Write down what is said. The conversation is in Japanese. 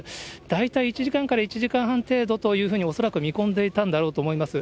大体１時間から１時間半程度というふうに、恐らく見込んでいたんだろうと思います。